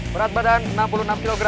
berat badan enam puluh enam kg